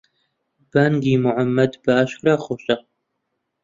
بانگی موحەممەد بەئاشکرا خۆشە.